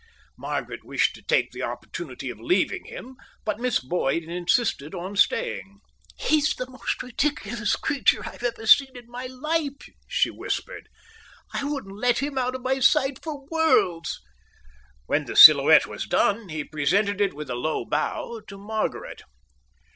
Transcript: Margaret wished to take the opportunity of leaving him, but Miss Boyd insisted on staying. "He's the most ridiculous creature I've ever seen in my life," she whispered. "I wouldn't let him out of my sight for worlds." When the silhouette was done, he presented it with a low bow to Margaret.